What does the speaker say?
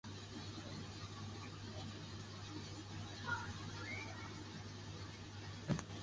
特斯特诺是克罗地亚南部杜布罗夫尼克的一个区。